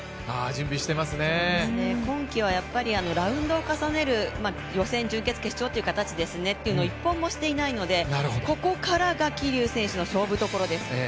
今季はラウンドを重ねる、予選、準決、決勝と１本もしていないので、ここからが桐生選手の勝負どころです。